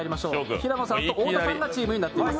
平野さんと太田さんがチームになっています。